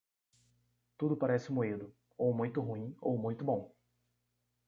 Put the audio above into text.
Tudo parece moído, ou muito ruim ou muito bom.